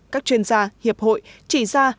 các chuyên gia hiệp hội chỉ ra